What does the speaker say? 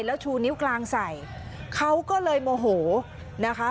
แล้วชูนิ้วกลางใส่เขาก็เลยโมโหนะคะ